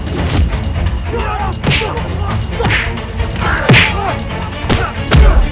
untuk memberikan kesaksian